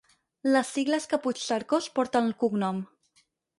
Les sigles que Puigcercós porta al cognom.